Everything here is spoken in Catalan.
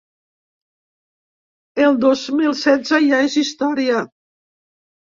El dos mil setze ja és història.